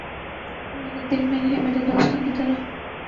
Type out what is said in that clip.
وُہ میرے دل میں رہے میرے دوستوں کی طرح